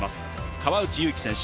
川内優輝選手